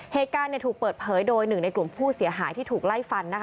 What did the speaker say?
เหตุการณ์ถูกเปิดเผยโดยหนึ่งในกลุ่มผู้เสียหายที่ถูกไล่ฟัน